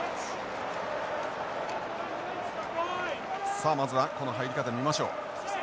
さあまずはこの入り方見ましょう。